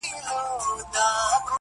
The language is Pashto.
ه یاره دا زه څه اورمه، څه وینمه